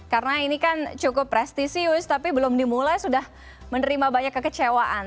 karena ini kan cukup prestisius tapi belum dimulai sudah menerima banyak kekecewaan